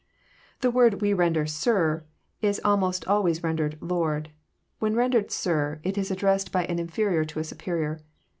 The word we render " sir " is almost always rendered " lord." When rendered *' sir " it is addressed by an inferior to a superior.